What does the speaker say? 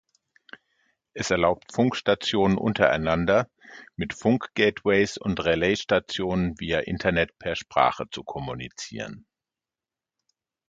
Es erlaubt Funkstationen untereinander, mit Funk-Gateways und -Relaisstationen via Internet per Sprache zu kommunizieren.